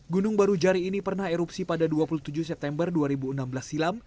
gunung baru jari ini pernah erupsi pada dua puluh tujuh september dua ribu enam belas silam